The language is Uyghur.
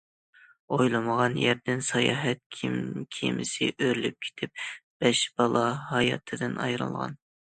ئويلىمىغان يەردىن ساياھەت كېمىسى ئۆرۈلۈپ كېتىپ، بەش بالا ھاياتىدىن ئايرىلغان.